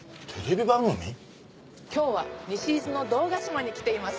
「今日は西伊豆の堂ヶ島に来ています」